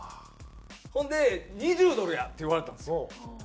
ほんで「２０ドルや」って言われたんですよ。